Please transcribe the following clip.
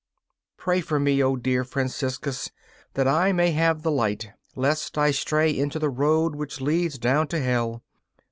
Pray for me, O dear Franciscus, that I may have the light, lest I stray into the road which leads down to Hell.